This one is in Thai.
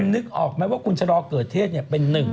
นึกออกไหมว่าคุณชะลอเกิดเทศเป็นหนึ่ง